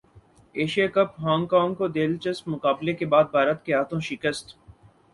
Asia cup Hong Kong کو دلچسپ مقابلے کے بعد بھارت کے ہاتھوں شکست